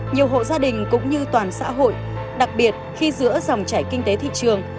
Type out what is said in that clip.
nhiều hộ gia đình cũng như toàn xã hội đặc biệt khi giữa dòng trải kinh tế thị trường